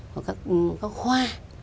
của các khoa